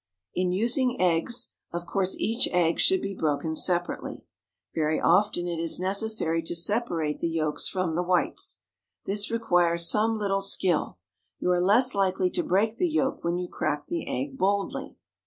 In using eggs, of course each egg should be broken separately. Very often it is necessary to separate the yolks from the whites. This requires some little skill; you are less likely to break the yolk when you crack the egg boldly.